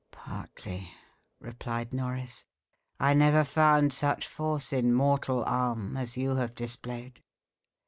"Partly," replied Norris "I never found such force in mortal arm as you have displayed."